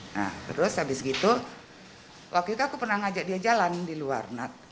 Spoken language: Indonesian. nah terus habis gitu waktu itu aku pernah ngajak dia jalan di luar nak